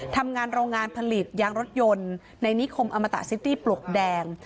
ทำงานโรงงานผลิตยางรถยนต์ในนิคมอมตะซิตี้ปลวกแดง